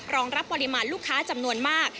รองรับปริมาณลูกค้าจำนวนมาก